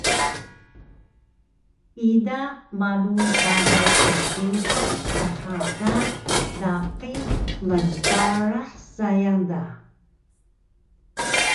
ida malu balay kndusan dha ka laqi mnbarah sayang da